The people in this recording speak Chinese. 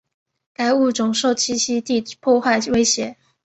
该物种受栖息地破坏威胁。